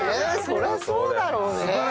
そりゃそうだろうね。